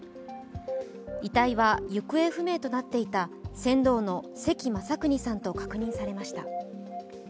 遺体は行方不明となっていた船頭の関雅有さんと確認されました。